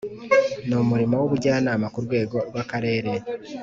n umurimo w ubujyanama ku rwego rw Akarere